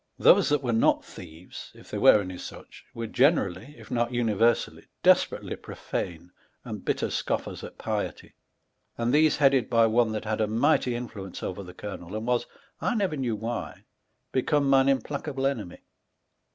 Those that were not thieves (if there were any such) were generally (if not universally) desperately profane and bitter Bcofters at pietie, and these headed by one that had a mighty influence over the colonell, and was (I never knew why) become mine implacable enemy.